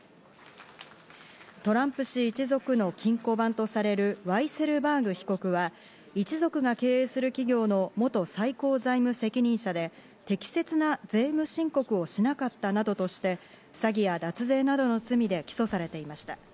トランプ氏一族の金庫番とされるワイセルバーグ被告は一族が経営する企業の元最高財務責任者で適切な税務申告をしなかったなどとして、詐欺や脱税などの罪で起訴されていました。